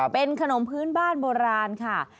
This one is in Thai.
เป็นขนมพื้นบ้านโบราณค่ะ